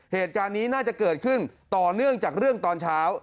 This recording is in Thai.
เหตุการณ์นี้น่าจะเกิดขึ้นต่อเนื่องจากเรื่องตอนเช้า